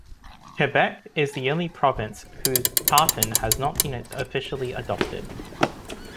Quebec is the only province whose tartan has not been officially adopted.